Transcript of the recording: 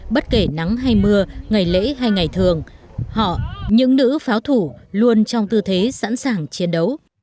bất kể nắng hay mưa ngày lễ hay ngày thường họ những nữ pháo thủ luôn trong tư thế sẵn sàng chiến đấu